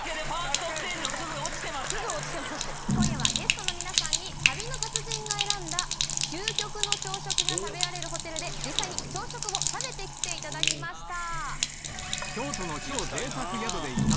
今夜はゲストの皆さんに旅の達人が選んだ究極の朝食が食べられるホテルで実際に朝食を食べて来ていただきました。